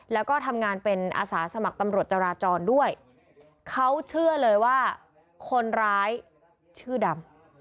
แล้วก็ทำงานเป็นอาสาสมัครตำรวจจราจรด้วยเขาเชื่อเลยว่าคนร้ายชื่อดำ